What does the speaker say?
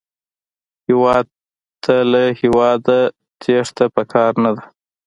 هېواد ته له هېواده نه تېښته پکار نه ده